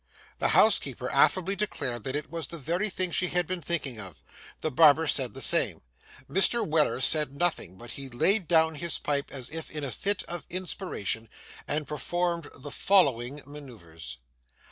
The housekeeper affably declared that it was the very thing she had been thinking of. The barber said the same. Mr. Weller said nothing, but he laid down his pipe as if in a fit of inspiration, and performed the following manœuvres.